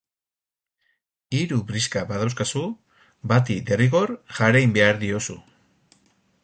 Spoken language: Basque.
Hiru briska badauzkazu, bati derrigor jarein behar diozu.